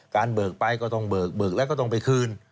เบิกไปก็ต้องเบิกเบิกแล้วก็ต้องไปคืน